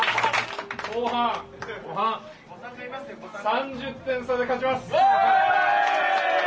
後半、３０点差で勝ちます。